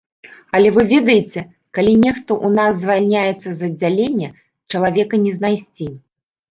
Але вы ведаеце, калі нехта ў нас звальняецца з аддзялення, чалавека не знайсці.